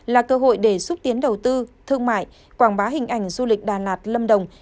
là cơ hội để xúc tiến đầu tư thương mại quảng bá hình ảnh du lịch đà lạt lâm đồng